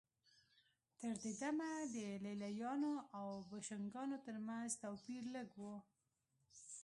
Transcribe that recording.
تر دې دمه د لېلیانو او بوشنګانو ترمنځ توپیر لږ و